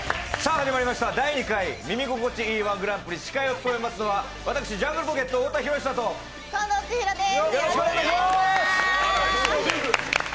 始まりました第２回「耳心地いい−１グランプリ」司会を務めますのは私ジャングルポケット・太田博久と近藤千尋です